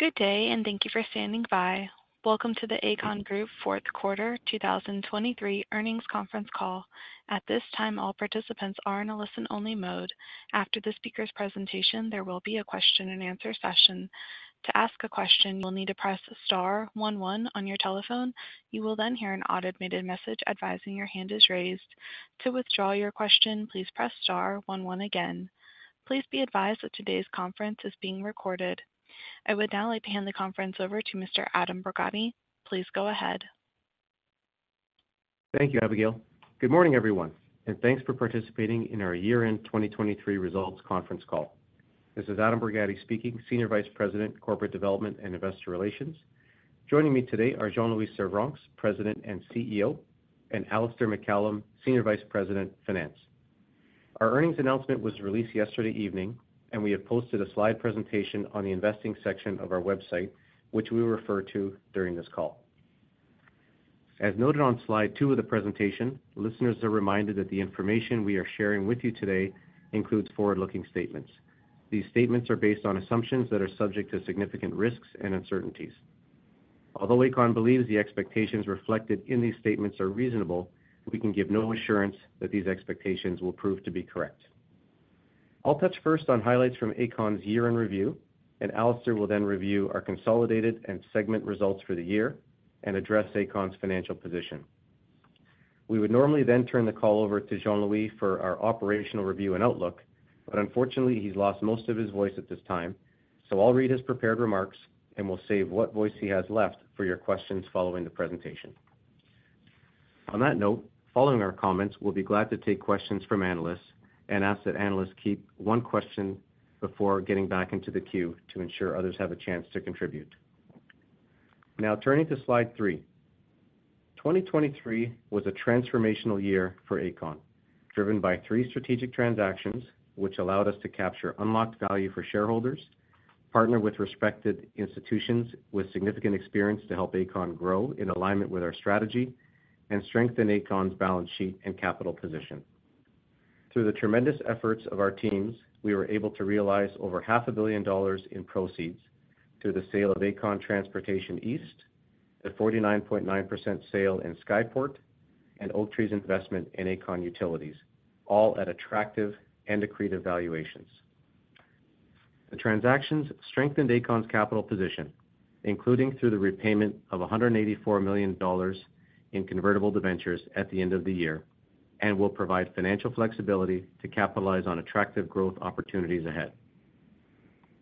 Good day and thank you for standing by. Welcome to the Aecon Group Fourth Quarter 2023 Earnings Conference Call. At this time, all participants are in a listen-only mode. After the speaker's presentation, there will be a question-and-answer session. To ask a question, you will need to press star one, one on your telephone. You will then hear an automated message advising your hand is raised. To withdraw your question, please press star one, one again. Please be advised that today's conference is being recorded. I would now like to hand the conference over to Mr. Adam Borgatti. Please go ahead. Thank you, Abigail. Good morning, everyone, and thanks for participating in our year-end 2023 results conference call. This is Adam Borgatti speaking, Senior Vice President, Corporate Development and Investor Relations. Joining me today are Jean-Louis Servranckx, President and CEO, and Alistair MacCallum, Senior Vice President, Finance. Our earnings announcement was released yesterday evening, and we have posted a slide presentation on the investing section of our website, which we will refer to during this call. As noted on slide two of the presentation, listeners are reminded that the information we are sharing with you today includes forward-looking statements. These statements are based on assumptions that are subject to significant risks and uncertainties. Although Aecon believes the expectations reflected in these statements are reasonable, we can give no assurance that these expectations will prove to be correct. I'll touch first on highlights from Aecon's year-end review, and Alistair will then review our consolidated and segment results for the year and address Aecon's financial position. We would normally then turn the call over to Jean-Louis for our operational review and outlook, but unfortunately, he's lost most of his voice at this time, so I'll read his prepared remarks and we'll save what voice he has left for your questions following the presentation. On that note, following our comments, we'll be glad to take questions from analysts and ask that analysts keep one question before getting back into the queue to ensure others have a chance to contribute. Now turning to slide three. 2023 was a transformational year for Aecon, driven by three strategic transactions, which allowed us to capture unlocked value for shareholders, partner with respected institutions with significant experience to help Aecon grow in alignment with our strategy, and strengthen Aecon's balance sheet and capital position. Through the tremendous efforts of our teams, we were able to realize over 500 million dollars in proceeds through the sale of Aecon Transportation East, a 49.9% sale in Skyport, and Oaktree's investment in Aecon Utilities, all at attractive and accretive valuations. The transactions strengthened Aecon's capital position, including through the repayment of 184 million dollars in convertible debentures at the end of the year, and will provide financial flexibility to capitalize on attractive growth opportunities ahead.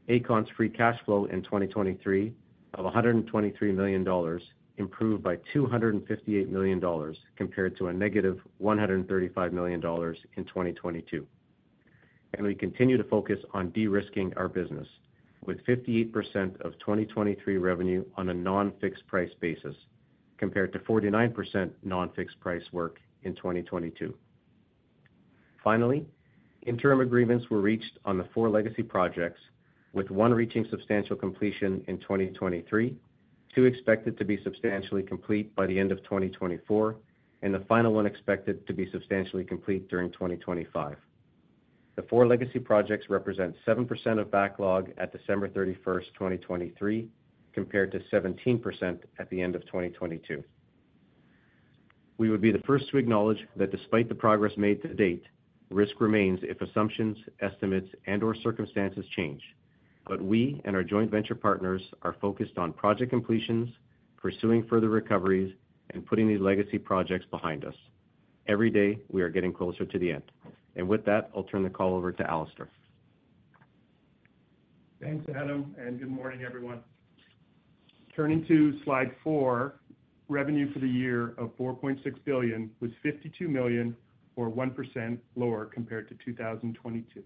Aecon's free cash flow in 2023 of 123 million dollars improved by 258 million dollars compared to a negative 135 million dollars in 2022. We continue to focus on de-risking our business with 58% of 2023 revenue on a non-fixed price basis compared to 49% non-fixed price work in 2022. Finally, interim agreements were reached on the four legacy projects, with one reaching substantial completion in 2023, two expected to be substantially complete by the end of 2024, and the final one expected to be substantially complete during 2025. The four legacy projects represent 7% of backlog at December 31st, 2023, compared to 17% at the end of 2022. We would be the first to acknowledge that despite the progress made to date, risk remains if assumptions, estimates, and/or circumstances change. But we and our joint venture partners are focused on project completions, pursuing further recoveries, and putting these legacy projects behind us. Every day, we are getting closer to the end. And with that, I'll turn the call over to Alistair. Thanks, Adam, and good morning, everyone. Turning to slide 4. Revenue for the year of 4.6 billion was 52 million or 1% lower compared to 2022.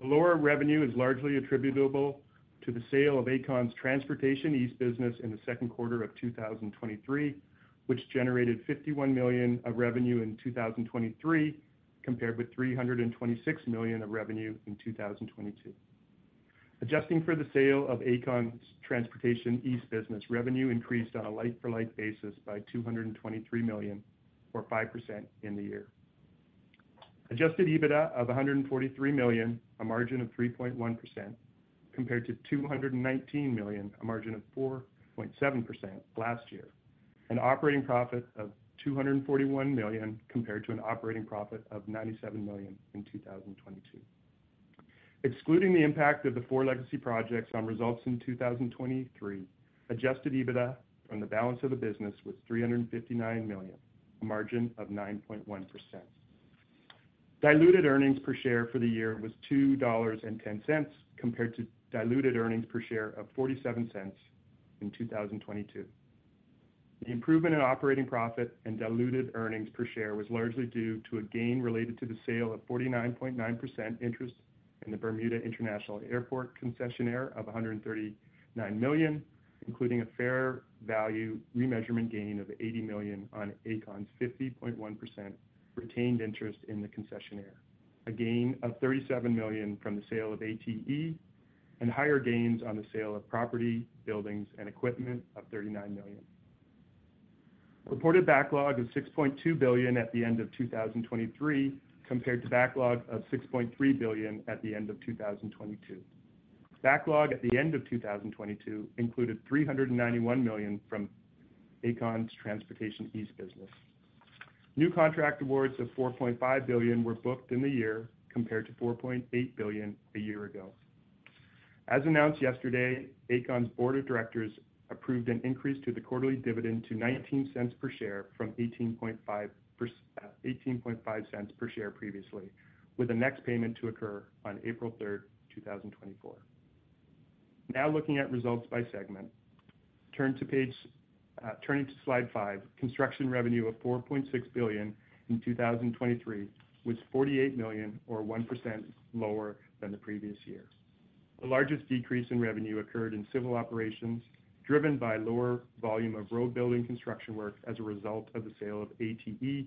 The lower revenue is largely attributable to the sale of Aecon's Transportation East business in the second quarter of 2023, which generated 51 million of revenue in 2023 compared with 326 million of revenue in 2022. Adjusting for the sale of Aecon's Transportation East business, revenue increased on a life-for-life basis by 223 million or 5% in the year. Adjusted EBITDA of 143 million, a margin of 3.1% compared to 219 million, a margin of 4.7% last year, an operating profit of 241 million compared to an operating profit of 97 million in 2022. Excluding the impact of the four legacy projects on results in 2023, adjusted EBITDA from the balance of the business was 359 million, a margin of 9.1%. Diluted earnings per share for the year was 2.10 dollars compared to diluted earnings per share of 0.47 in 2022. The improvement in operating profit and diluted earnings per share was largely due to a gain related to the sale of 49.9% interest in the Bermuda International Airport concessionaire of 139 million, including a fair value remeasurement gain of 80 million on Aecon's 50.1% retained interest in the concessionaire, a gain of 37 million from the sale of ATE, and higher gains on the sale of property, buildings, and equipment of 39 million. Reported backlog of 6.2 billion at the end of 2023 compared to backlog of 6.3 billion at the end of 2022. Backlog at the end of 2022 included 391 million from Aecon's Transportation East business. New contract awards of 4.5 billion were booked in the year compared to 4.8 billion a year ago. As announced yesterday, Aecon's board of directors approved an increase to the quarterly dividend to 0.19 per share from 18.5 cents per share previously, with a next payment to occur on April 3rd, 2024. Now looking at results by segment. Turning to slide five. Construction revenue of 4.6 billion in 2023 was 48 million or 1% lower than the previous year. The largest decrease in revenue occurred in civil operations, driven by lower volume of road-building construction work as a result of the sale of ATE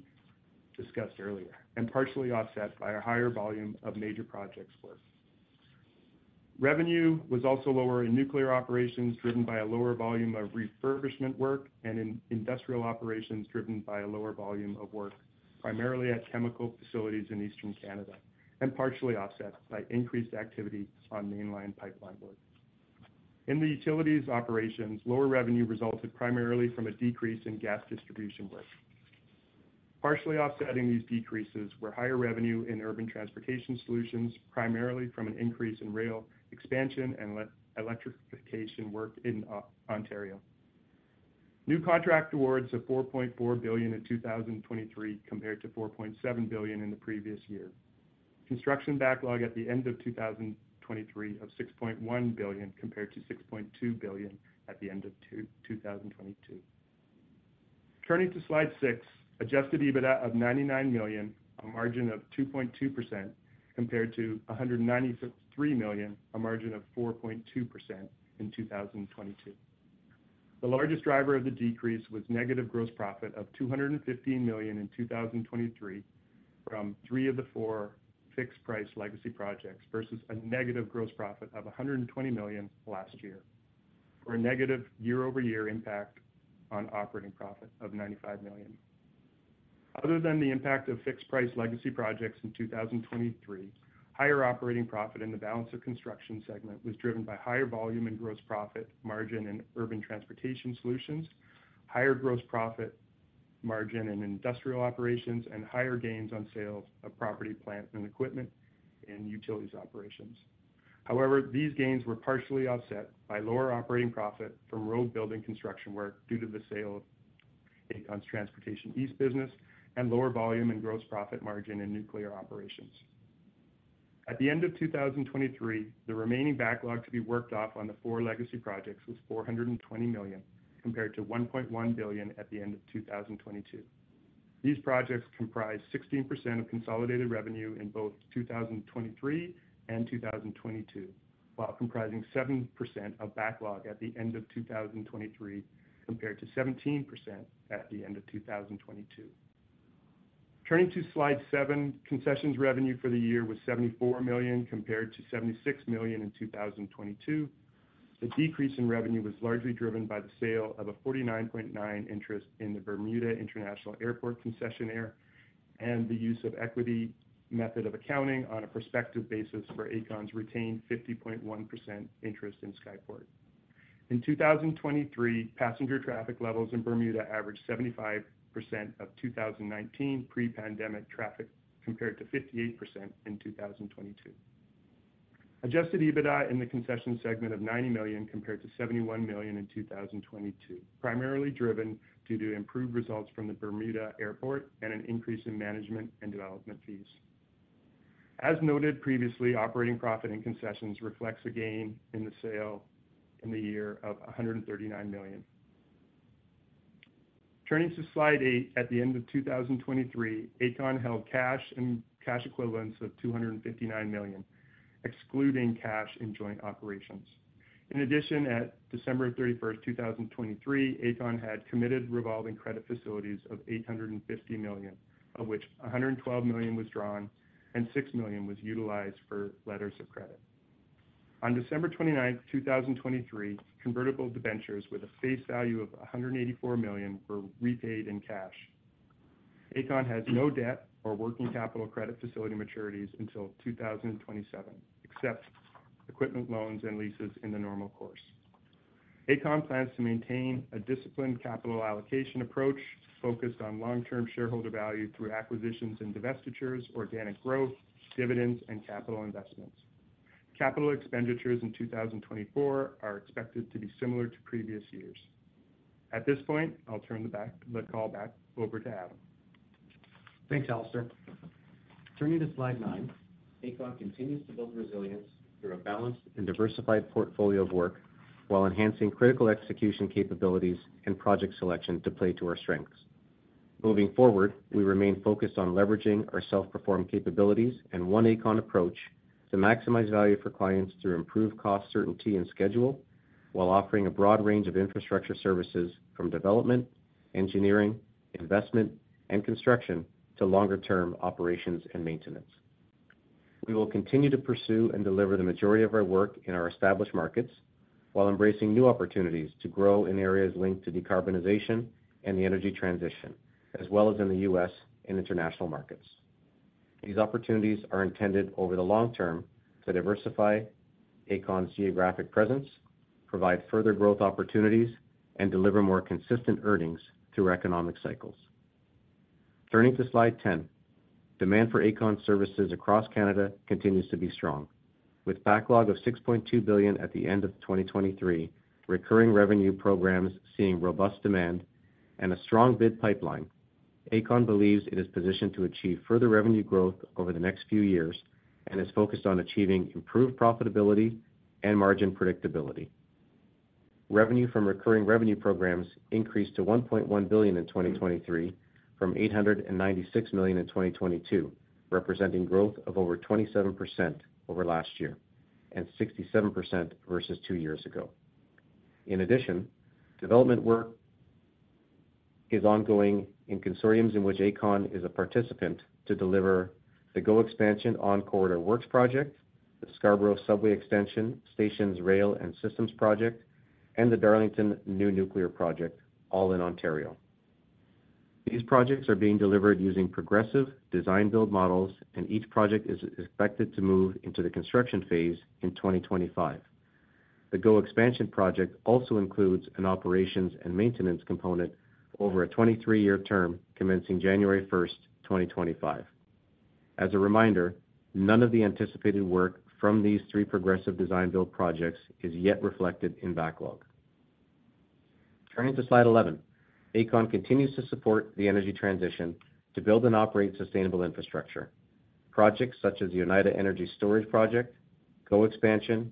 discussed earlier, and partially offset by a higher volume of major projects work. Revenue was also lower in nuclear operations, driven by a lower volume of refurbishment work, and in industrial operations, driven by a lower volume of work primarily at chemical facilities in Eastern Canada, and partially offset by increased activity on mainline pipeline work. In the utilities operations, lower revenue resulted primarily from a decrease in gas distribution work. Partially offsetting these decreases were higher revenue in urban transportation solutions, primarily from an increase in rail expansion and electrification work in Ontario. New contract awards of 4.4 billion in 2023 compared to 4.7 billion in the previous year. Construction backlog at the end of 2023 of 6.1 billion compared to 6.2 billion at the end of 2022. Turning to slide six. Adjusted EBITDA of 99 million, a margin of 2.2% compared to 193 million, a margin of 4.2% in 2022. The largest driver of the decrease was negative gross profit of 215 million in 2023 from three of the four fixed-price legacy projects versus a negative gross profit of 120 million last year, for a negative year-over-year impact on operating profit of 95 million. Other than the impact of fixed-price legacy projects in 2023, higher operating profit in the balance of construction segment was driven by higher volume and gross profit margin in urban transportation solutions, higher gross profit margin in industrial operations, and higher gains on sales of property, plant, and equipment in utilities operations. However, these gains were partially offset by lower operating profit from road-building construction work due to the sale of Aecon's Transportation East business and lower volume and gross profit margin in nuclear operations. At the end of 2023, the remaining backlog to be worked off on the four legacy projects was 420 million compared to 1.1 billion at the end of 2022. These projects comprised 16% of consolidated revenue in both 2023 and 2022, while comprising 7% of backlog at the end of 2023 compared to 17% at the end of 2022. Turning to slide seven. Concessions revenue for the year was 74 million compared to 76 million in 2022. The decrease in revenue was largely driven by the sale of a 49.9% interest in the Bermuda International Airport concessionaire and the use of equity method of accounting on a prospective basis for Aecon's retained 50.1% interest in Skyport. In 2023, passenger traffic levels in Bermuda averaged 75% of 2019 pre-pandemic traffic compared to 58% in 2022. Adjusted EBITDA in the concession segment of 90 million compared to 71 million in 2022, primarily driven due to improved results from the Bermuda Airport and an increase in management and development fees. As noted previously, operating profit in concessions reflects a gain in the sale in the year of 139 million. Turning to slide eight. At the end of 2023, Aecon held cash and cash equivalents of 259 million, excluding cash in joint operations. In addition, at December 31st, 2023, Aecon had committed revolving credit facilities of 850 million, of which 112 million was drawn and 6 million was utilized for letters of credit. On December 29th, 2023, convertible debentures with a face value of 184 million were repaid in cash. Aecon has no debt or working capital credit facility maturities until 2027, except equipment loans and leases in the normal course. Aecon plans to maintain a disciplined capital allocation approach focused on long-term shareholder value through acquisitions and divestitures, organic growth, dividends, and capital investments. Capital expenditures in 2024 are expected to be similar to previous years. At this point, I'll turn the call back over to Adam. Thanks, Alistair. Turning to slide nine. Aecon continues to build resilience through a balanced and diversified portfolio of work while enhancing critical execution capabilities and project selection to play to our strengths. Moving forward, we remain focused on leveraging our self-perform capabilities and one Aecon approach to maximize value for clients through improved cost certainty and schedule, while offering a broad range of infrastructure services from development, engineering, investment, and construction to longer-term operations and maintenance. We will continue to pursue and deliver the majority of our work in our established markets while embracing new opportunities to grow in areas linked to decarbonization and the energy transition, as well as in the U.S. and international markets. These opportunities are intended over the long term to diversify Aecon's geographic presence, provide further growth opportunities, and deliver more consistent earnings through economic cycles. Turning to slide 10. Demand for Aecon services across Canada continues to be strong. With backlog of 6.2 billion at the end of 2023, recurring revenue programs seeing robust demand, and a strong bid pipeline, Aecon believes it is positioned to achieve further revenue growth over the next few years and is focused on achieving improved profitability and margin predictability. Revenue from recurring revenue programs increased to 1.1 billion in 2023 from 896 million in 2022, representing growth of over 27% over last year and 67% versus two years ago. In addition, development work is ongoing in consortiums in which Aecon is a participant to deliver the GO Expansion On-Corridor Works project, the Scarborough Subway Extension Stations, Rail and Systems project, and the Darlington New Nuclear Project, all in Ontario. These projects are being delivered using progressive design-build models, and each project is expected to move into the construction phase in 2025. The GO Expansion project also includes an operations and maintenance component over a 23-year term, commencing January 1st, 2025. As a reminder, none of the anticipated work from these three progressive design-build projects is yet reflected in backlog. Turning to slide 11. Aecon continues to support the energy transition to build and operate sustainable infrastructure. Projects such as the Oneida Energy Storage Project, GO Expansion,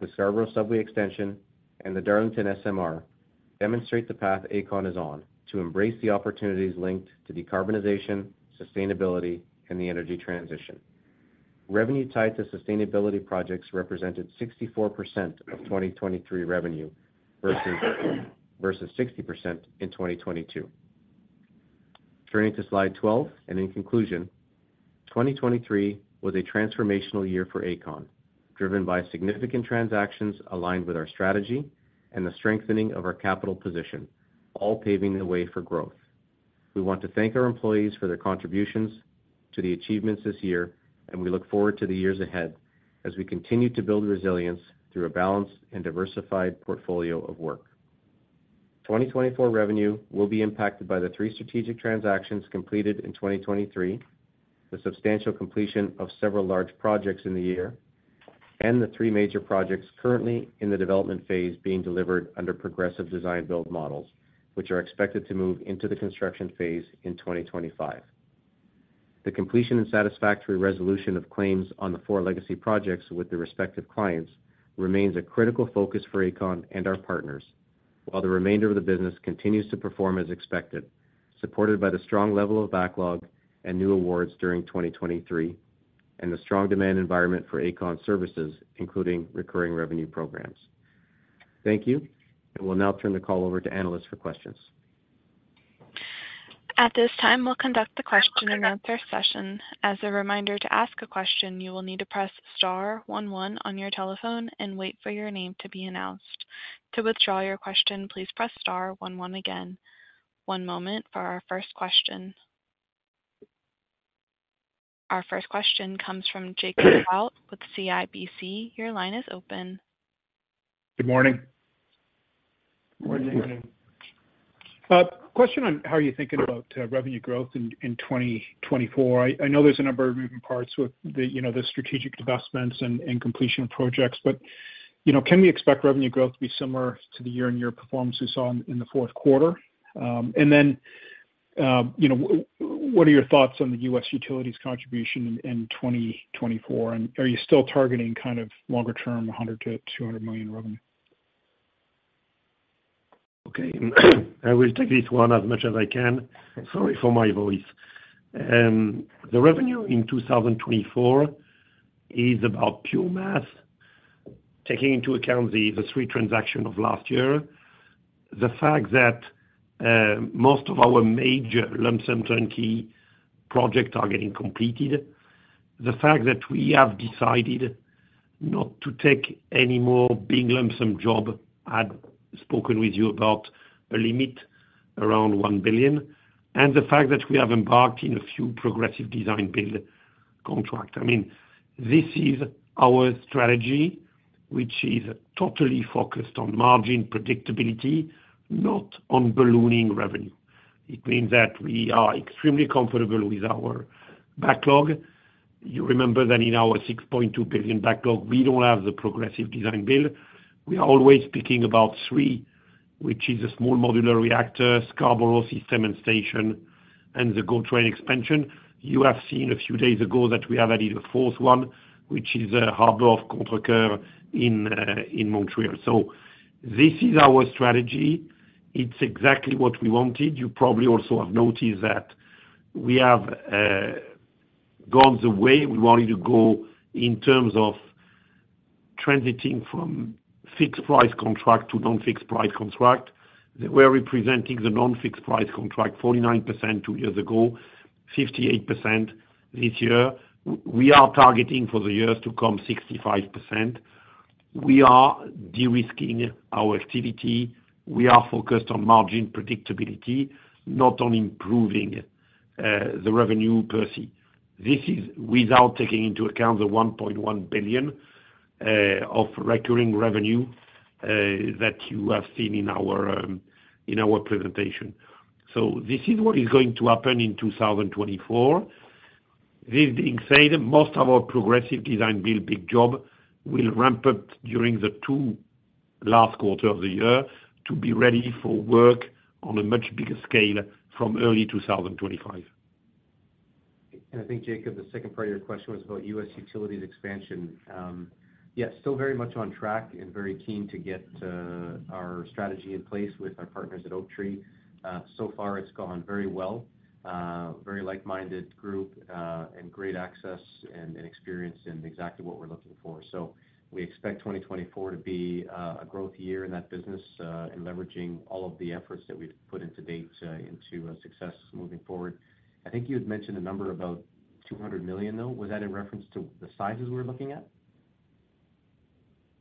the Scarborough Subway Extension, and the Darlington SMR demonstrate the path Aecon is on to embrace the opportunities linked to decarbonization, sustainability, and the energy transition. Revenue tied to sustainability projects represented 64% of 2023 revenue versus 60% in 2022. Turning to slide 12. In conclusion, 2023 was a transformational year for Aecon, driven by significant transactions aligned with our strategy and the strengthening of our capital position, all paving the way for growth. We want to thank our employees for their contributions to the achievements this year, and we look forward to the years ahead as we continue to build resilience through a balanced and diversified portfolio of work. 2024 revenue will be impacted by the three strategic transactions completed in 2023, the Substantial Completion of several large projects in the year, and the three major projects currently in the development phase being delivered under Progressive Design-Build models, which are expected to move into the construction phase in 2025. The completion and satisfactory resolution of claims on the four legacy projects with the respective clients remains a critical focus for Aecon and our partners, while the remainder of the business continues to perform as expected, supported by the strong level of backlog and new awards during 2023 and the strong demand environment for Aecon services, including Recurring Revenue programs. Thank you, and we'll now turn the call over to analysts for questions. At this time, we'll conduct the question-and-answer session. As a reminder to ask a question, you will need to press star one, one on your telephone and wait for your name to be announced. To withdraw your question, please press star one, one again. One moment for our first question. Our first question comes from Jacob Bout with CIBC. Your line is open. Good morning. Good morning, Jason. Question on how are you thinking about revenue growth in 2024. I know there's a number of moving parts with the strategic investments and completion of projects, but can we expect revenue growth to be similar to the year-on-year performance we saw in the fourth quarter? And then what are your thoughts on the U.S. utilities contribution in 2024, and are you still targeting kind of longer-term 100 million-200 million revenue? Okay. I will take this one as much as I can. Sorry for my voice. The revenue in 2024 is about pure math, taking into account the three transactions of last year, the fact that most of our major lump-sum turnkey projects are getting completed, the fact that we have decided not to take any more big lump-sum jobs I had spoken with you about, a limit around 1 billion, and the fact that we have embarked on a few progressive design-build contracts. I mean, this is our strategy, which is totally focused on margin predictability, not on ballooning revenue. It means that we are extremely comfortable with our backlog. You remember that in our 6.2 billion backlog, we don't have the progressive design-build. We are always speaking about three, which is a small modular reactor, Scarborough System and Station, and the GO Expansion. You have seen a few days ago that we have added a fourth one, which is the Port of Contrecoeur in Montreal. So this is our strategy. It's exactly what we wanted. You probably also have noticed that we have gone the way we wanted to go in terms of transiting from fixed-price contract to non-fixed-price contract. We were representing the non-fixed-price contract 49% two years ago, 58% this year. We are targeting for the years to come 65%. We are de-risking our activity. We are focused on margin predictability, not on improving the revenue per se. This is without taking into account the 1.1 billion of recurring revenue that you have seen in our presentation. So this is what is going to happen in 2024. This being said, most of our Progressive Design-Build big jobs will ramp up during the two last quarters of the year to be ready for work on a much bigger scale from early 2025. I think, Jacob, the second part of your question was about U.S. utilities expansion. Yeah, still very much on track and very keen to get our strategy in place with our partners at Oaktree. So far, it's gone very well, very like-minded group, and great access and experience in exactly what we're looking for. So we expect 2024 to be a growth year in that business and leveraging all of the efforts that we've put to date into success moving forward. I think you had mentioned a number about $200 million, though. Was that in reference to the sizes we're looking at?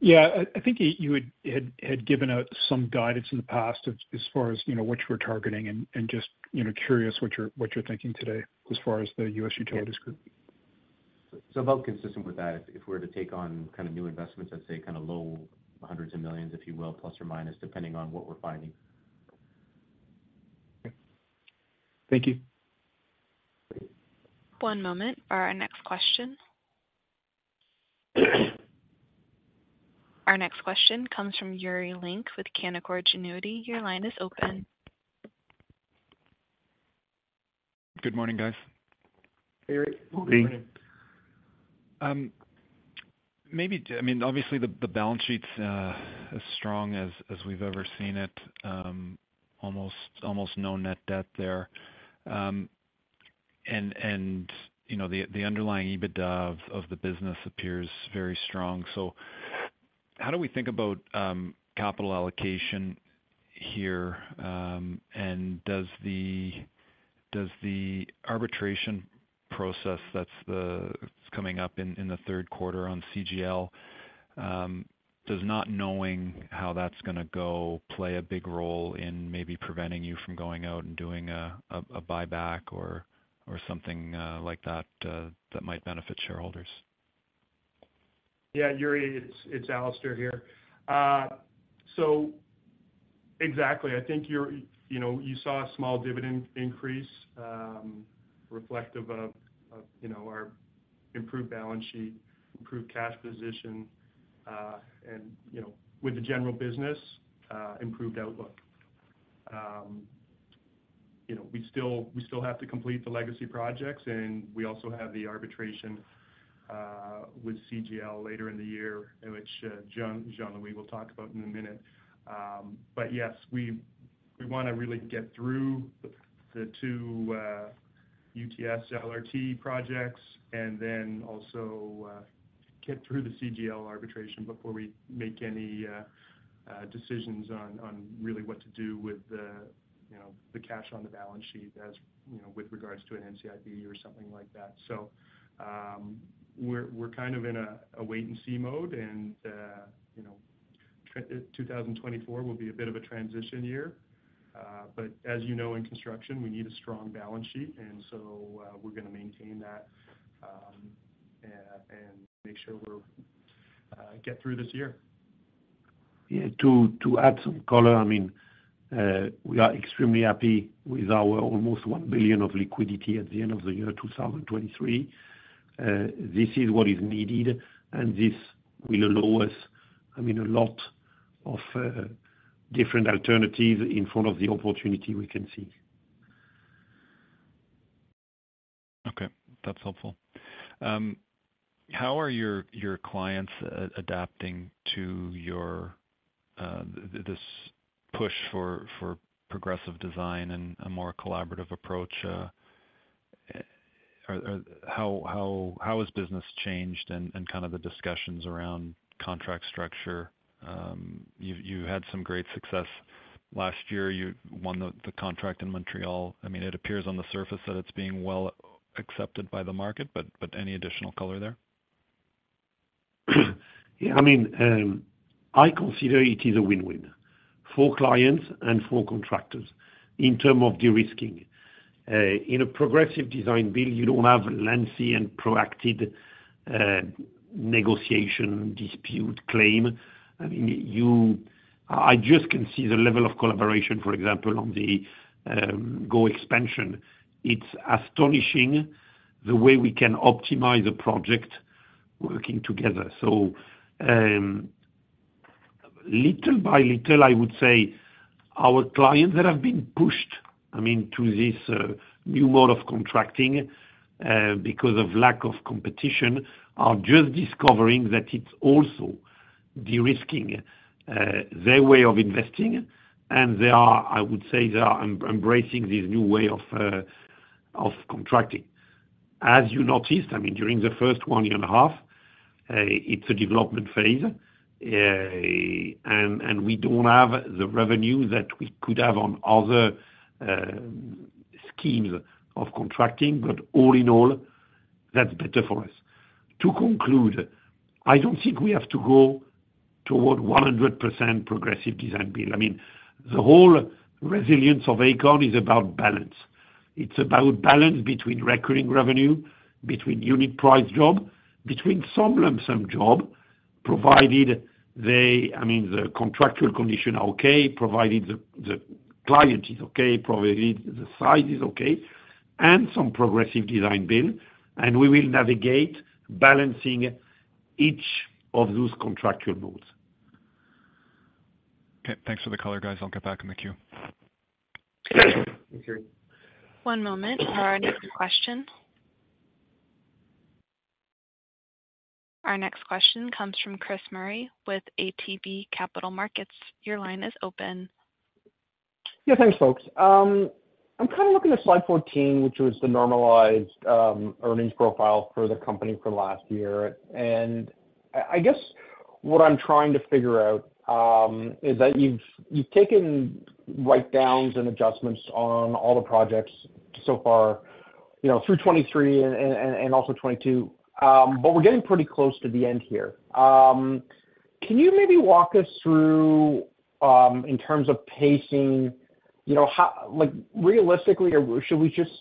Yeah. I think you had given some guidance in the past as far as which we're targeting and just curious what you're t hinking today as far as the U.S. utilities group. About consistent with that, if we were to take on kind of new investments, I'd say kind of CAD low hundreds of millions, if you will, ±, depending on what we're finding. Okay. Thank you. One moment for our next question. Our next question comes from Yuri Lynk with Canaccord Genuity. Your line is open. Good morning, guys. Hey, Yuri. Good morning. I mean, obviously, the balance sheet's as strong as we've ever seen it, almost no net debt there. And the underlying EBITDA of the business appears very strong. So how do we think about capital allocation here? And does the arbitration process that's coming up in the third quarter on CGL, does not knowing how that's going to go play a big role in maybe preventing you from going out and doing a buyback or something like that that might benefit shareholders? Yeah, Yuri, it's Alistair here. So exactly. I think you saw a small dividend increase reflective of our improved balance sheet, improved cash position, and with the general business, improved outlook. We still have to complete the legacy projects, and we also have the arbitration with CGL later in the year, which Jean-Louis will talk about in a minute. But yes, we want to really get through the two UTS LRT projects and then also get through the CGL arbitration before we make any decisions on really what to do with the cash on the balance sheet with regards to an NCIB or something like that. So we're kind of in a wait-and-see mode, and 2024 will be a bit of a transition year. As you know, in construction, we need a strong balance sheet, and so we're going to maintain that and make sure we get through this year. Yeah. To add some color, I mean, we are extremely happy with our almost 1 billion of liquidity at the end of the year 2023. This is what is needed, and this will allow us, I mean, a lot of different alternatives in front of the opportunity we can see. Okay. That's helpful. How are your clients adapting to this push for progressive design and a more collaborative approach? How has business changed and kind of the discussions around contract structure? You had some great success last year. You won the contract in Montreal. I mean, it appears on the surface that it's being well accepted by the market, but any additional color there? Yeah. I mean, I consider it is a win-win for clients and for contractors in terms of de-risking. In a Progressive Design-Build, you don't have lengthy and proactive negotiation, dispute, claim. I mean, I just can see the level of collaboration, for example, on the GO Expansion. It's astonishing the way we can optimize a project working together. So little by little, I would say, our clients that have been pushed, I mean, to this new mode of contracting because of lack of competition are just discovering that it's also de-risking their way of investing, and I would say they are embracing this new way of contracting. As you noticed, I mean, during the first 1 year and a half, it's a development phase, and we don't have the revenue that we could have on other schemes of contracting, but all in all, that's better for us. To conclude, I don't think we have to go toward 100% progressive design build. I mean, the whole resilience of Aecon is about balance. It's about balance between recurring revenue, between unit-priced job, between some lump-sum job provided they, I mean, the contractual conditions are okay, provided the client is okay, provided the size is okay, and some progressive design build, and we will navigate balancing each of those contractual modes. Okay. Thanks for the color, guys. I'll get back in the queue. Thanks, Yuri. One moment. Our next question. Our next question comes from Chris Murray with ATB Capital Markets. Your line is open. Yeah. Thanks, folks. I'm kind of looking at slide 14, which was the normalized earnings profile for the company from last year. I guess what I'm trying to figure out is that you've taken write-downs and adjustments on all the projects so far through 2023 and also 2022, but we're getting pretty close to the end here. Can you maybe walk us through in terms of pacing? Realistically, should we just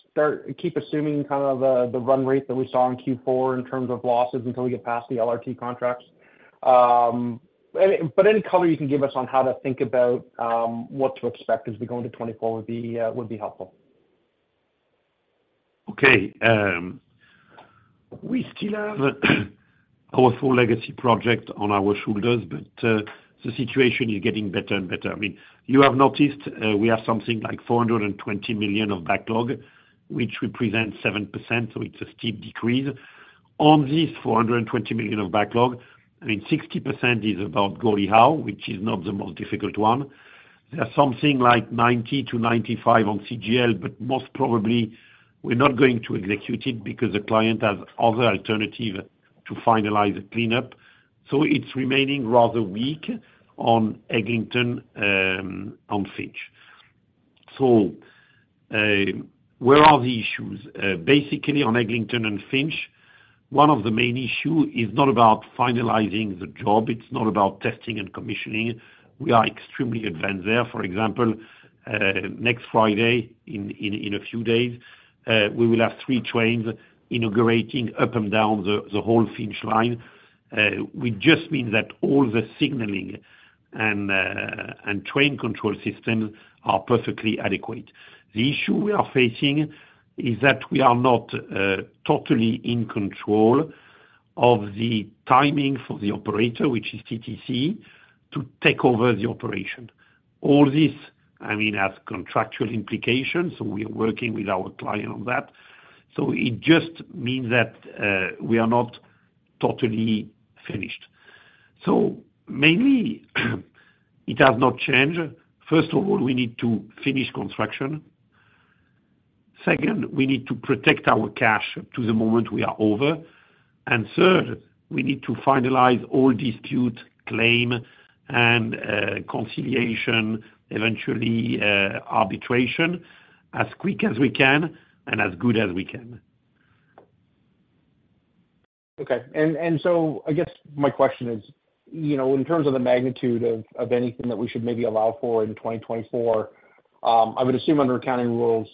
keep assuming kind of the run rate that we saw in Q4 in terms of losses until we get past the LRT contracts? Any color you can give us on how to think about what to expect as we go into 2024 would be helpful. Okay. We still have our full legacy project on our shoulders, but the situation is getting better and better. I mean, you have noticed we have something like 420 million of backlog, which represents 7%, so it's a steep decrease. On this 420 million of backlog, I mean, 60% is about Gordie Howe, which is not the most difficult one. There's something like 90-95 on CGL, but most probably, we're not going to execute it because the client has other alternatives to finalize a cleanup. So it's remaining rather weak on Eglinton and Finch. So where are the issues? Basically, on Eglinton and Finch, one of the main issues is not about finalizing the job. It's not about testing and commissioning. We are extremely advanced there. For example, next Friday, in a few days, we will have three trains inaugurating up and down the whole Finch line. It just means that all the signaling and train control systems are perfectly adequate. The issue we are facing is that we are not totally in control of the timing for the operator, which is TTC, to take over the operation. All this, I mean, has contractual implications, so we are working with our client on that. So it just means that we are not totally finished. So mainly, it has not changed. First of all, we need to finish construction. Second, we need to protect our cash to the moment we are over. And third, we need to finalize all dispute, claim, and conciliation, eventually arbitration as quick as we can and as good as we can. Okay. So I guess my question is, in terms of the magnitude of anything that we should maybe allow for in 2024, I would assume under accounting rules,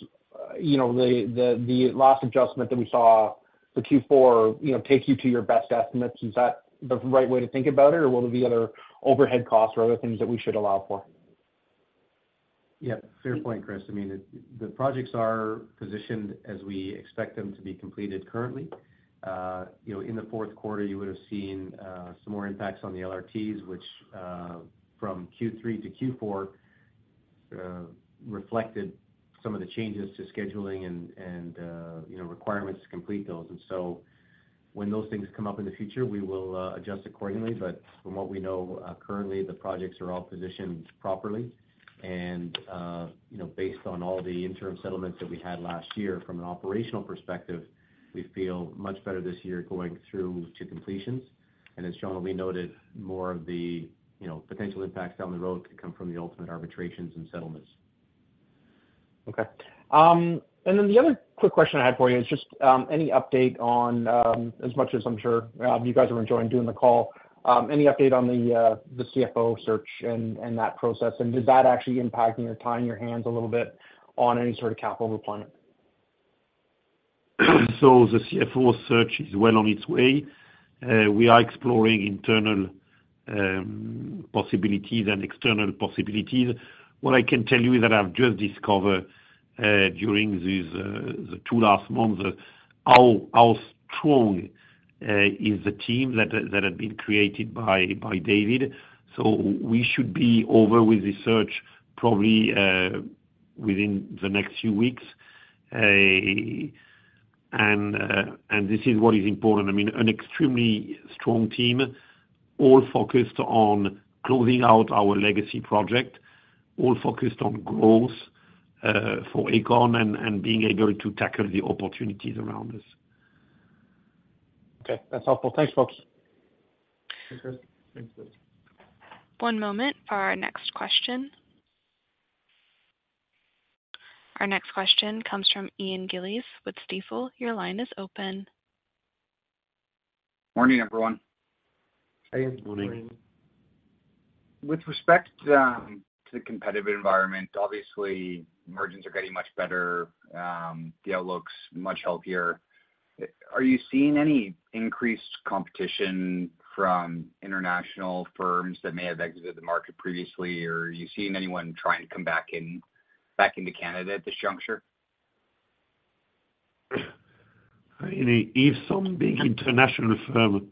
the last adjustment that we saw for Q4 take you to your best estimates. Is that the right way to think about it, or will there be other overhead costs or other things that we should allow for? Yeah. Fair point, Chris. I mean, the projects are positioned as we expect them to be completed currently. In the fourth quarter, you would have seen some more impacts on the LRTs, which from Q3 to Q4 reflected some of the changes to scheduling and requirements to complete those. And so when those things come up in the future, we will adjust accordingly. But from what we know currently, the projects are all positioned properly. And based on all the interim settlements that we had last year from an operational perspective, we feel much better this year going through to completions. And as Jean-Louis noted, more of the potential impacts down the road could come from the ultimate arbitrations and settlements. Okay. And then the other quick question I had for you is just any update on as much as I'm sure you guys are enjoying doing the call, any update on the CFO search and that process? And does that actually impact your tying your hands a little bit on any sort of capital deployment? So the CFO search is well on its way. We are exploring internal possibilities and external possibilities. What I can tell you is that I've just discovered during these last two months how strong is the team that had been created by David. So we should be over with the search probably within the next few weeks. And this is what is important. I mean, an extremely strong team, all focused on closing out our legacy project, all focused on growth for Aecon and being able to tackle the opportunities around us. Okay. That's helpful. Thanks, folks. Thanks, Chris. One moment for our next question. Our next question comes from Ian Gillies with Stifel. Your line is open. Morning, everyone. Hey. Morning. With respect to the competitive environment, obviously, margins are getting much better. The outlook's much healthier. Are you seeing any increased competition from international firms that may have exited the market previously, or are you seeing anyone trying to come back into Canada at this juncture? If some big international firm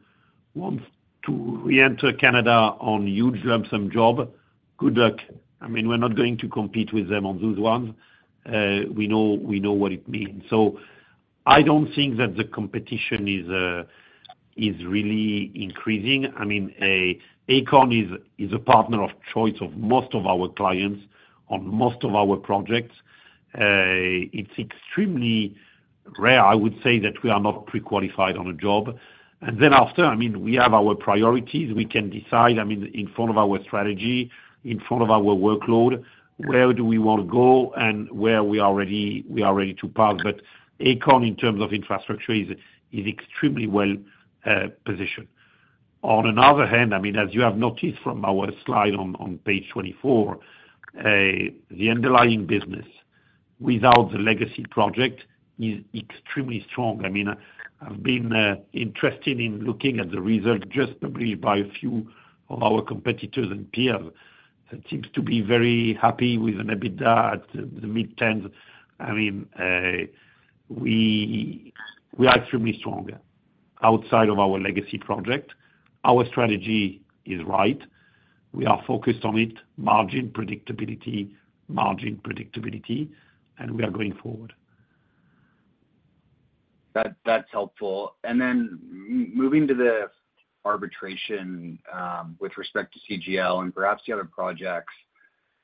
wants to reenter Canada on huge lump-sum job, good luck. I mean, we're not going to compete with them on those ones. We know what it means. So I don't think that the competition is really increasing. I mean, Aecon is a partner of choice of most of our clients on most of our projects. It's extremely rare, I would say, that we are not pre-qualified on a job. And then after, I mean, we have our priorities. We can decide, I mean, in front of our strategy, in front of our workload, where do we want to go and where we are ready to pass. But Aecon, in terms of infrastructure, is extremely well positioned. On another hand, I mean, as you have noticed from our slide on page 24, the underlying business without the legacy project is extremely strong. I mean, I've been interested in looking at the result just published by a few of our competitors and peers. It seems to be very happy with an EBITDA at the mid-10s. I mean, we are extremely strong outside of our legacy project. Our strategy is right. We are focused on it, margin, predictability, margin, predictability, and we are going forward. That's helpful. Then moving to the arbitration with respect to CGL and perhaps the other projects,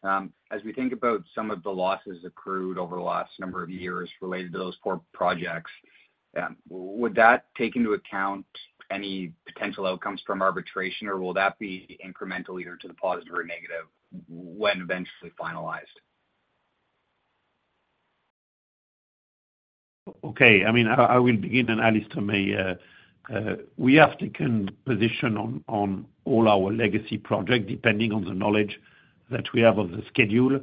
as we think about some of the losses accrued over the last number of years related to those poor projects, would that take into account any potential outcomes from arbitration, or will that be incremental either to the positive or negative when eventually finalized? Okay. I mean, I will begin and Alistair may we have taken position on all our legacy projects depending on the knowledge that we have of the schedule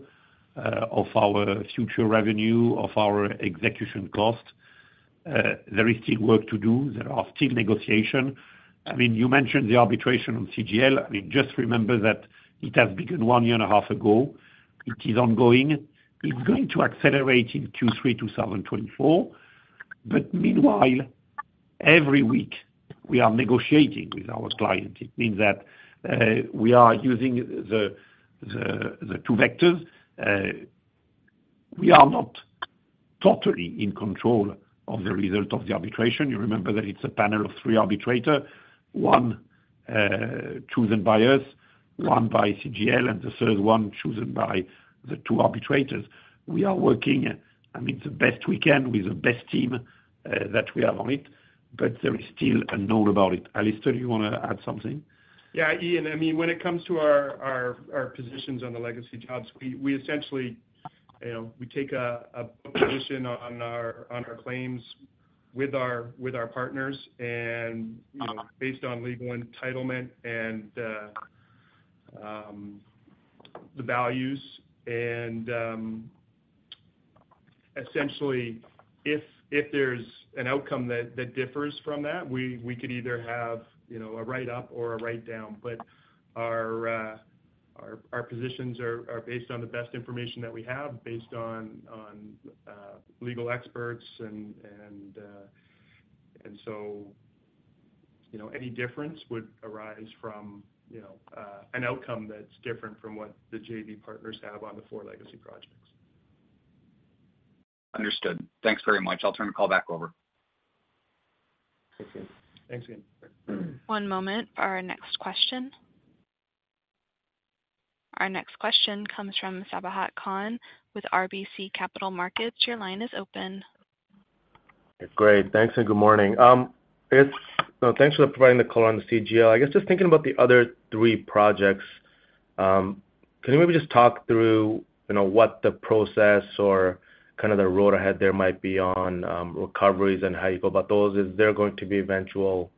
of our future revenue, of our execution cost. There is still work to do. There are still negotiations. I mean, you mentioned the arbitration on CGL. I mean, just remember that it has begun one year and a half ago. It is ongoing. It's going to accelerate in Q3 to 2024. But meanwhile, every week, we are negotiating with our client. It means that we are using the two vectors. We are not totally in control of the result of the arbitration. You remember that it's a panel of three arbitrators, one chosen by us, one by CGL, and the third one chosen by the two arbitrators. We are working, I mean, the best we can with the best team that we have on it, but there is still an unknown about it. Alistair, do you want to add something? Yeah. Ian, I mean, when it comes to our positions on the legacy jobs, we essentially we take a position on our claims with our partners and based on legal entitlement and the values. And essentially, if there's an outcome that differs from that, we could either have a write-up or a write-down. But our positions are based on the best information that we have, based on legal experts. And so any difference would arise from an outcome that's different from what the JV Partners have on the four legacy projects. Understood. Thanks very much. I'll turn the call back over. Thank you. Thanks, Ian. One moment for our next question. Our next question comes from Sabahat Khan with RBC Capital Markets. Your line is open. Great. Thanks and good morning. Thanks for providing the color on the CGL. I guess just thinking about the other three projects, can you maybe just talk through what the process or kind of the road ahead there might be on recoveries and how you go about those? Is there going to be eventual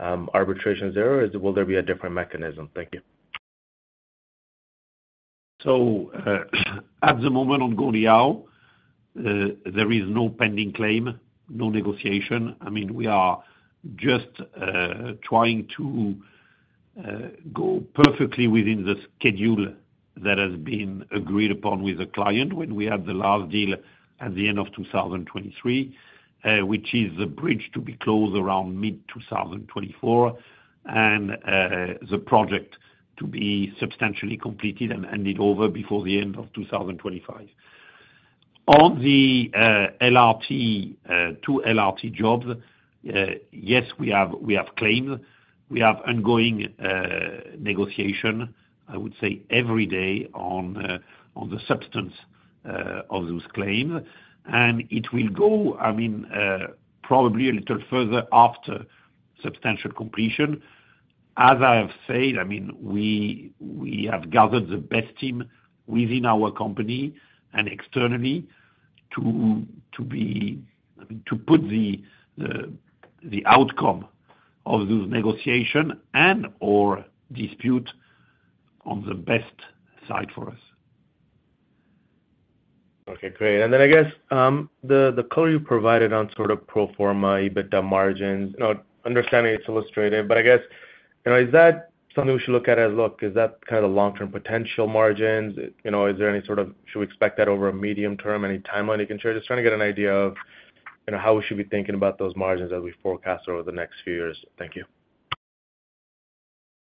arbitrations there, or will there be a different mechanism? Thank you. So at the moment on Gordie Howe, there is no pending claim, no negotiation. I mean, we are just trying to go perfectly within the schedule that has been agreed upon with the client when we had the last deal at the end of 2023, which is the bridge to be closed around mid-2024 and the project to be substantially completed and handed over before the end of 2025. On the two LRT jobs, yes, we have claims. We have ongoing negotiation, I would say, every day on the substance of those claims. And it will go, I mean, probably a little further after substantial completion. As I have said, I mean, we have gathered the best team within our company and externally to be I mean, to put the outcome of those negotiations and/or disputes on the best side for us. Okay. Great. And then I guess the color you provided on sort of pro forma EBITDA margins, understanding it's illustrative, but I guess is that something we should look at as, "Look, is that kind of the long-term potential margins? Is there any sort of should we expect that over a medium term?" Any timeline you can share? Just trying to get an idea of how we should be thinking about those margins as we forecast over the next few years. Thank you.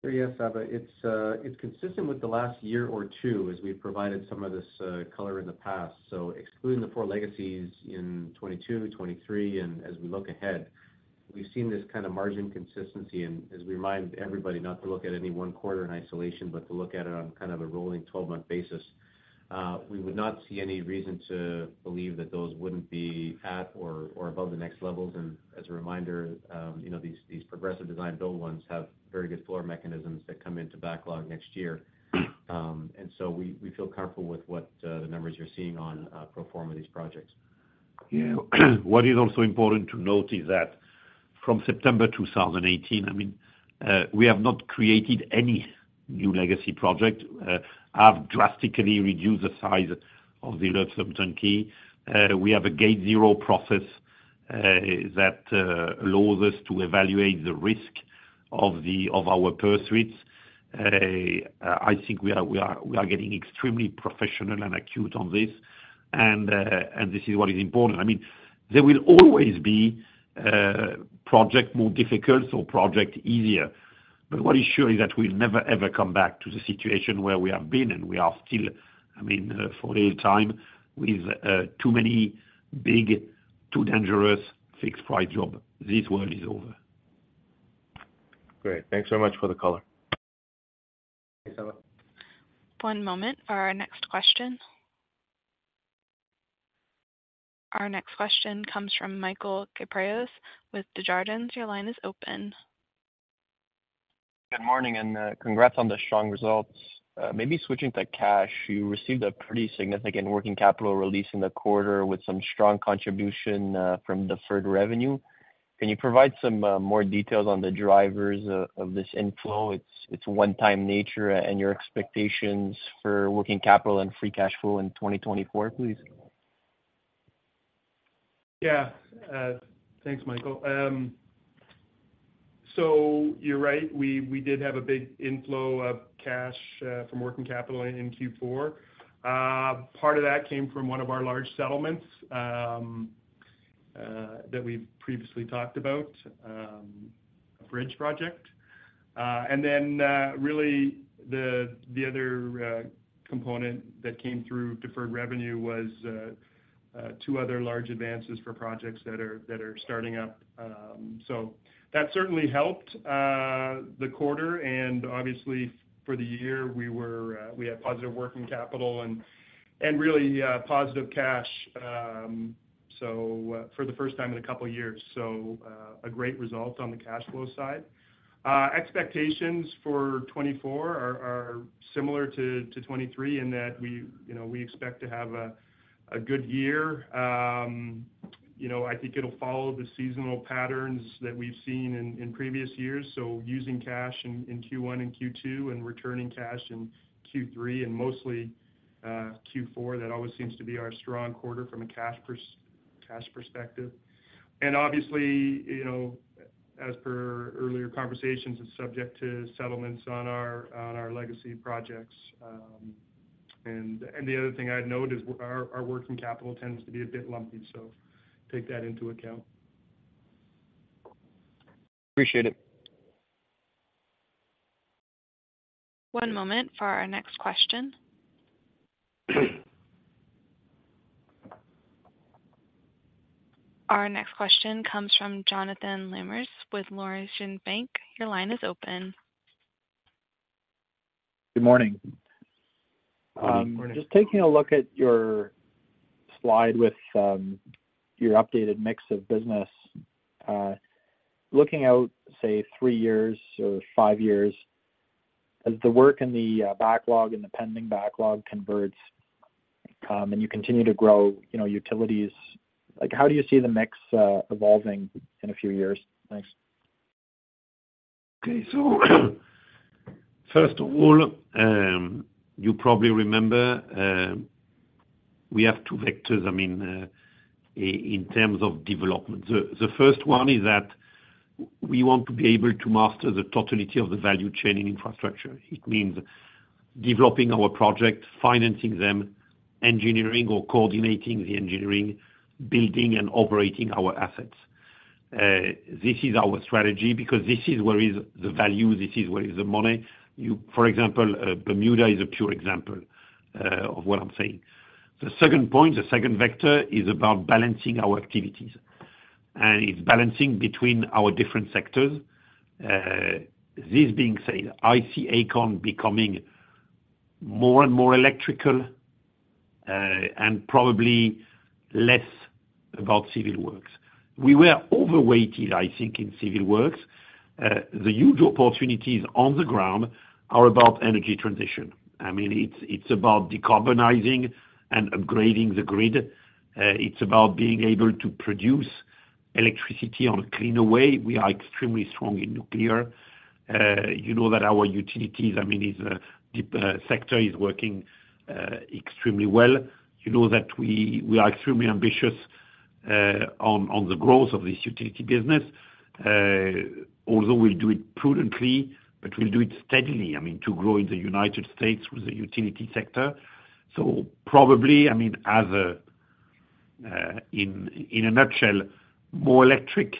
Sure. Yeah, Sabahat. It's consistent with the last year or two as we've provided some of this color in the past. So excluding the four legacies in 2022, 2023, and as we look ahead, we've seen this kind of margin consistency. And as we remind everybody not to look at any one quarter in isolation, but to look at it on kind of a rolling 12-month basis, we would not see any reason to believe that those wouldn't be at or above the next levels. And as a reminder, these Progressive Design-Build ones have very good floor mechanisms that come into backlog next year. And so we feel comfortable with what the numbers you're seeing on pro forma these projects. Yeah. What is also important to note is that from September 2018, I mean, we have not created any new legacy project. I've drastically reduced the size of the Lump-Sum Turnkey. We have a Gate Zero process that allows us to evaluate the risk of our pursuits. I think we are getting extremely professional and acute on this. And this is what is important. I mean, there will always be projects more difficult or projects easier. But what is sure is that we'll never, ever come back to the situation where we have been, and we are still, I mean, for a little time with too many big, too dangerous fixed-price jobs. This world is over. Great. Thanks so much for the color. Thanks, Sabah. One moment for our next question. Our next question comes from Michael Kypreos with Desjardins. Your line is open. Good morning, and congrats on the strong results. Maybe switching to cash, you received a pretty significant working capital release in the quarter with some strong contribution from deferred revenue. Can you provide some more details on the drivers of this inflow? Its one-time nature. And your expectations for working capital and free cash flow in 2024, please? Yeah. Thanks, Michael. So you're right. We did have a big inflow of cash from working capital in Q4. Part of that came from one of our large settlements that we've previously talked about, a bridge project. And then really, the other component that came through deferred revenue was two other large advances for projects that are starting up. So that certainly helped the quarter. And obviously, for the year, we had positive working capital and really positive cash for the first time in a couple of years. So a great result on the cash flow side. Expectations for 2024 are similar to 2023 in that we expect to have a good year. I think it'll follow the seasonal patterns that we've seen in previous years. Using cash in Q1 and Q2 and returning cash in Q3 and mostly Q4, that always seems to be our strong quarter from a cash perspective. Obviously, as per earlier conversations, it's subject to settlements on our legacy projects. The other thing I'd note is our working capital tends to be a bit lumpy, so take that into account. Appreciate it. One moment for our next question. Our next question comes from Jonathan Lamers with Laurentian Bank. Your line is open. Good morning. Just taking a look at your slide with your updated mix of business, looking out, say, three years or five years, as the work in the backlog and the pending backlog converts and you continue to grow utilities, how do you see the mix evolving in a few years? Thanks. Okay. So first of all, you probably remember, we have two vectors, I mean, in terms of development. The first one is that we want to be able to master the totality of the value chain in infrastructure. It means developing our projects, financing them, engineering or coordinating the engineering, building, and operating our assets. This is our strategy because this is where is the value. This is where is the money. For example, Bermuda is a pure example of what I'm saying. The second point, the second vector, is about balancing our activities. And it's balancing between our different sectors. This being said, I see Aecon becoming more and more electrical and probably less about civil works. We were overweighted, I think, in civil works. The huge opportunities on the ground are about energy transition. I mean, it's about decarbonizing and upgrading the grid. It's about being able to produce electricity on a cleaner way. We are extremely strong in nuclear. You know that our utilities, I mean, sector is working extremely well. You know that we are extremely ambitious on the growth of this utility business, although we'll do it prudently, but we'll do it steadily, I mean, to grow in the United States with the utility sector. So probably, I mean, in a nutshell, more electric,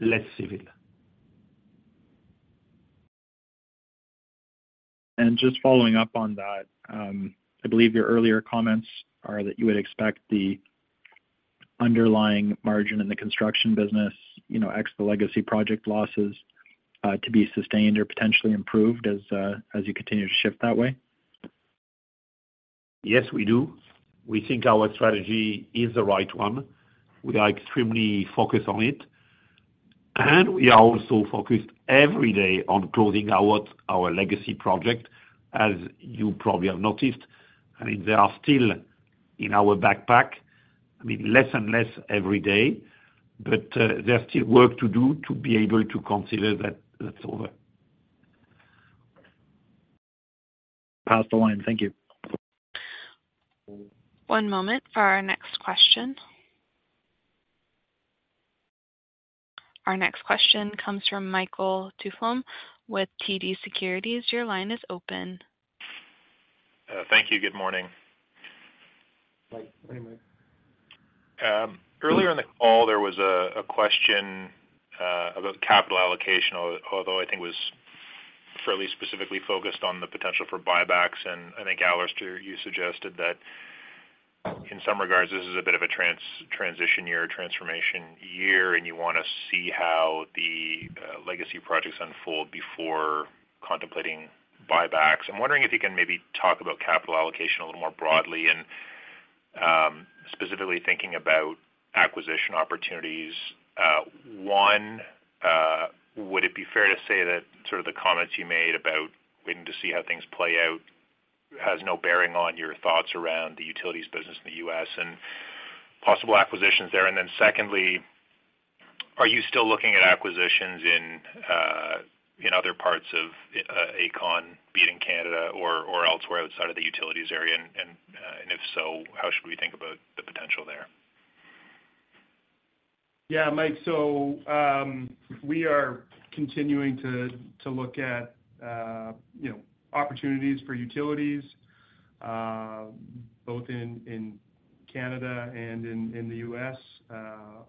less civil. Just following up on that, I believe your earlier comments are that you would expect the underlying margin in the construction business, ex the legacy project losses, to be sustained or potentially improved as you continue to shift that way? Yes, we do. We think our strategy is the right one. We are extremely focused on it. We are also focused every day on closing our legacy project, as you probably have noticed. I mean, there are still in our backpack, I mean, less and less every day, but there's still work to do to be able to consider that that's over. Pass the line. Thank you. One moment for our next question. Our next question comes from Michael Tupholme with TD Securities. Your line is open. Thank you. Good morning. Hi. Morning, Mike. Earlier in the call, there was a question about capital allocation, although I think it was fairly specifically focused on the potential for buybacks. I think, Alistair, you suggested that in some regards, this is a bit of a transition year, a transformation year, and you want to see how the legacy projects unfold before contemplating buybacks. I'm wondering if you can maybe talk about capital allocation a little more broadly and specifically thinking about acquisition opportunities. One, would it be fair to say that sort of the comments you made about waiting to see how things play out has no bearing on your thoughts around the utilities business in the U.S. and possible acquisitions there? And then secondly, are you still looking at acquisitions in other parts of Aecon, be it in Canada or elsewhere outside of the utilities area? If so, how should we think about the potential there? Yeah, Mike. So we are continuing to look at opportunities for utilities both in Canada and in the U.S.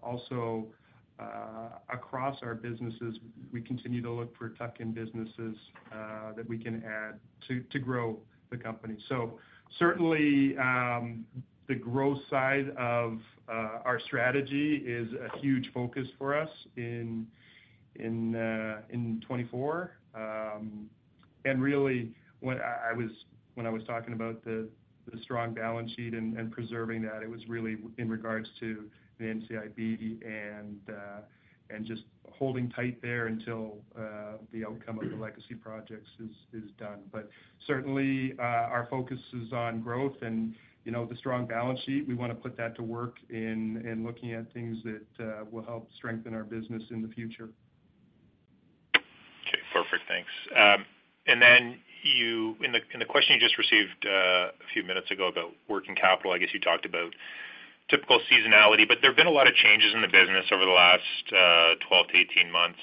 Also across our businesses, we continue to look for tuck-in businesses that we can add to grow the company. So certainly, the growth side of our strategy is a huge focus for us in 2024. And really, when I was talking about the strong balance sheet and preserving that, it was really in regards to the NCIB and just holding tight there until the outcome of the legacy projects is done. But certainly, our focus is on growth and the strong balance sheet. We want to put that to work in looking at things that will help strengthen our business in the future. Okay. Perfect. Thanks. And then in the question you just received a few minutes ago about working capital, I guess you talked about typical seasonality, but there have been a lot of changes in the business over the last 12-18 months.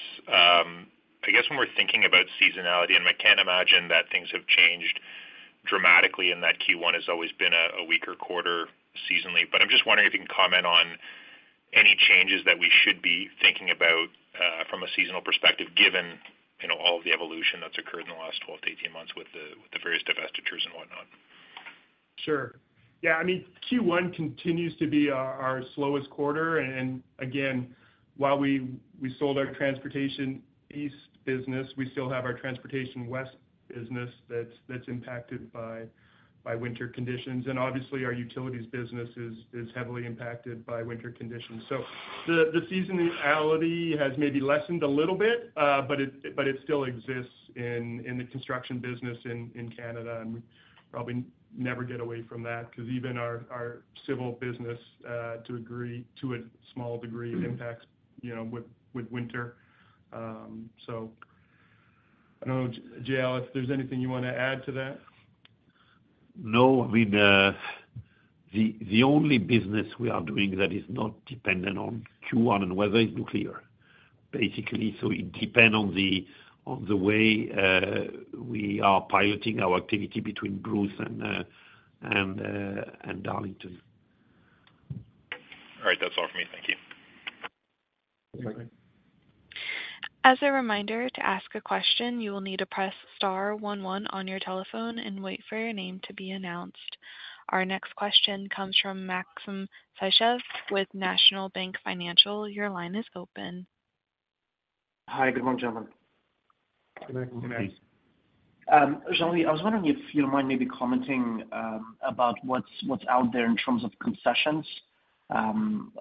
I guess when we're thinking about seasonality, and I can't imagine that things have changed dramatically in that Q1 has always been a weaker quarter seasonally. But I'm just wondering if you can comment on any changes that we should be thinking about from a seasonal perspective given all of the evolution that's occurred in the last 12-18 months with the various divestitures and whatnot. Sure. Yeah. I mean, Q1 continues to be our slowest quarter. And again, while we sold our transportation east business, we still have our transportation west business that's impacted by winter conditions. And obviously, our utilities business is heavily impacted by winter conditions. So the seasonality has maybe lessened a little bit, but it still exists in the construction business in Canada. And we probably never get away from that because even our civil business, to a small degree, impacts with winter. So I don't know, Jacob, if there's anything you want to add to that. No. I mean, the only business we are doing that is not dependent on Q1 and weather is nuclear, basically. So it depends on the way we are piloting our activity between Bruce and Darlington. All right. That's all for me. Thank you. Thank you. As a reminder to ask a question, you will need to press star 11 on your telephone and wait for your name to be announced. Our next question comes from Maxim Sytchev with National Bank Financial. Your line is open. Hi. Good morning, gentlemen. Good morning. Good morning. Thanks. Jean-Louis, I was wondering if you'd mind maybe commenting about what's out there in terms of concessions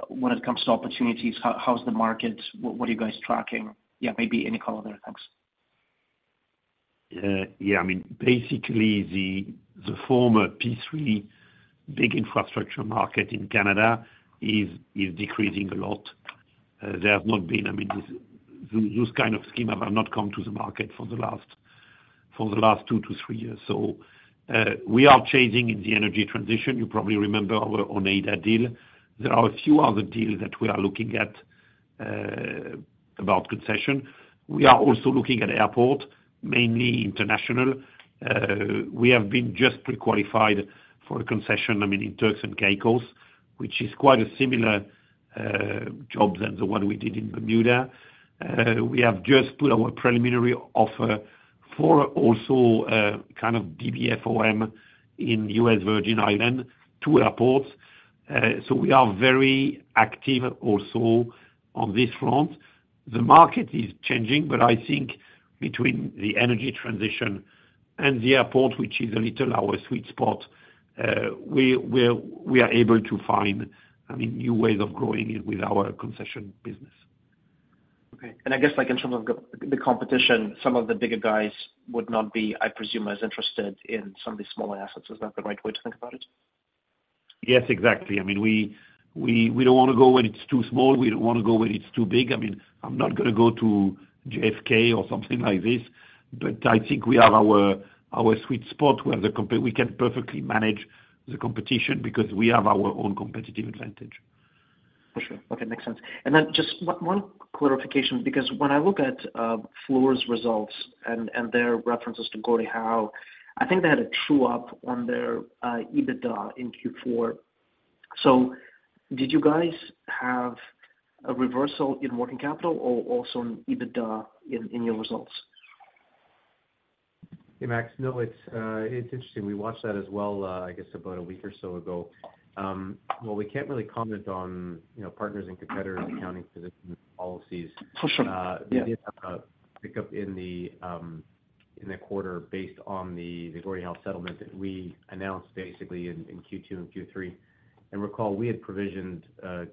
when it comes to opportunities. How's the market? What are you guys tracking? Yeah, maybe any call there. Thanks. Yeah. I mean, basically, the former P3 big infrastructure market in Canada is decreasing a lot. There has not been I mean, this kind of scheme has not come to the market for the last 2-3 years. So we are chasing in the energy transition. You probably remember our Oneida deal. There are a few other deals that we are looking at about concession. We are also looking at airport, mainly international. We have been just pre-qualified for a concession, I mean, in Turks and Caicos, which is quite a similar job than the one we did in Bermuda. We have just put our preliminary offer for also kind of DBFOM in U.S. Virgin Islands to airports. So we are very active also on this front. The market is changing, but I think between the energy transition and the airport, which is a little our sweet spot, we are able to find, I mean, new ways of growing with our concession business. Okay. And I guess in terms of the competition, some of the bigger guys would not be, I presume, as interested in some of these smaller assets. Is that the right way to think about it? Yes, exactly. I mean, we don't want to go when it's too small. We don't want to go when it's too big. I mean, I'm not going to go to JFK or something like this, but I think we have our sweet spot where we can perfectly manage the competition because we have our own competitive advantage. For sure. Okay. Makes sense. And then just one clarification because when I look at Fluor's results and their references to Gordie Howe, I think they had a true-up on their EBITDA in Q4. So did you guys have a reversal in working capital or also an EBITDA in your results? Hey, Max. No, it's interesting. We watched that as well, I guess, about a week or so ago. Well, we can't really comment on partners and competitors' accounting positions and policies. We did have a pickup in the quarter based on the Gordie Howe settlement that we announced basically in Q2 and Q3. And recall, we had provisioned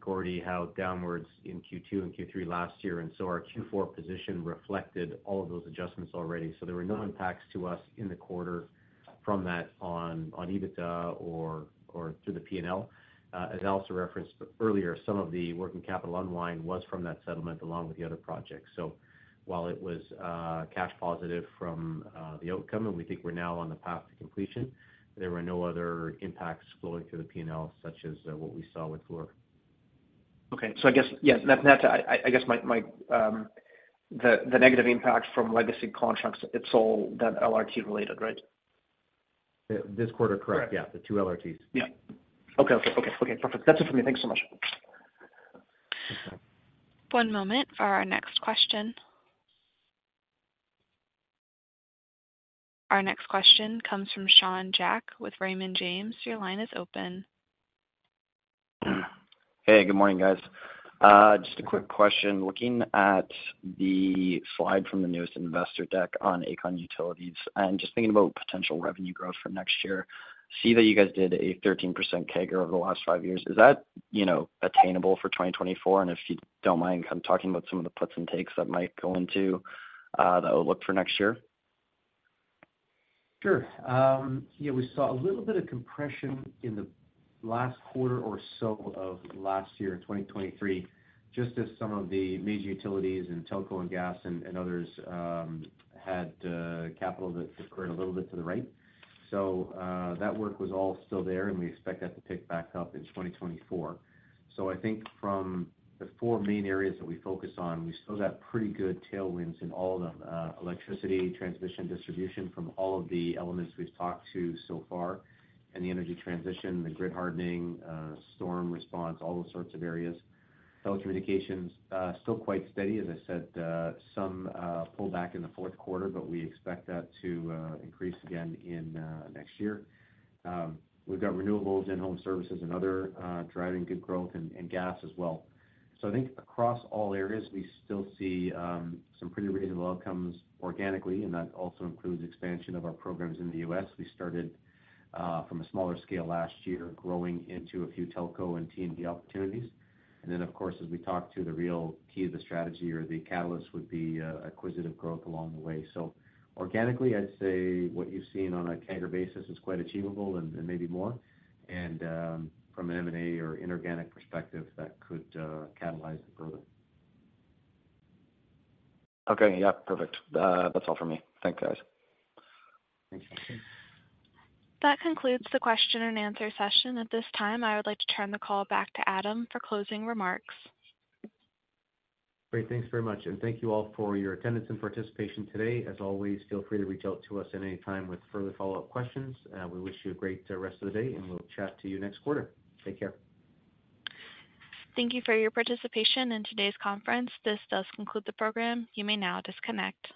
Gordie Howe downwards in Q2 and Q3 last year. And so our Q4 position reflected all of those adjustments already. So there were no impacts to us in the quarter from that on EBITDA or through the P&L. As Alistair referenced earlier, some of the working capital unwind was from that settlement along with the other projects. So while it was cash positive from the outcome, and we think we're now on the path to completion, there were no other impacts flowing through the P&L such as what we saw with Fluor. Okay. I guess, yeah, I guess the negative impact from legacy contracts, it's all that LRT-related, right? This quarter, correct. Yeah, the two LRTs. Yeah. Okay. Okay. Okay. Okay. Perfect. That's it for me. Thanks so much. One moment for our next question. Our next question comes from Sean Jack with Raymond James. Your line is open. Hey. Good morning, guys. Just a quick question. Looking at the slide from the newest investor deck on Aecon Utilities and just thinking about potential revenue growth for next year, I see that you guys did a 13% CAGR over the last five years. Is that attainable for 2024? And if you don't mind kind of talking about some of the puts and takes that might go into that we'll look for next year? Sure. Yeah. We saw a little bit of compression in the last quarter or so of last year, 2023, just as some of the major utilities and telco and gas and others had capital that occurred a little bit to the right. So that work was all still there, and we expect that to pick back up in 2024. So I think from the four main areas that we focus on, we still got pretty good tailwinds in all of them: electricity, transmission, distribution from all of the elements we've talked to so far, and the energy transition, the grid hardening, storm response, all those sorts of areas, telecommunications, still quite steady, as I said, some pullback in the fourth quarter, but we expect that to increase again in next year. We've got renewables, in-home services, and other driving good growth, and gas as well. So I think across all areas, we still see some pretty reasonable outcomes organically, and that also includes expansion of our programs in the U.S. We started from a smaller scale last year growing into a few telco and T&D opportunities. And then, of course, as we talk to, the real key of the strategy or the catalyst would be acquisitive growth along the way. So organically, I'd say what you've seen on a CAGR basis is quite achievable and maybe more. And from an M&A or inorganic perspective, that could catalyze further. Okay. Yeah. Perfect. That's all for me. Thanks, guys. Thanks, Max. That concludes the question-and-answer session. At this time, I would like to turn the call back to Adam for closing remarks. Great. Thanks very much. Thank you all for your attendance and participation today. As always, feel free to reach out to us at any time with further follow-up questions. We wish you a great rest of the day, and we'll chat to you next quarter. Take care. Thank you for your participation in today's conference. This does conclude the program. You may now disconnect.